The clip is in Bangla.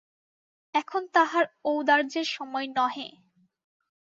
এখন তাহার ঔদার্যের সময় নহে।